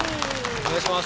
お願いします